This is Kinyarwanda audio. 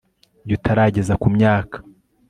iyo utarageza ku myaka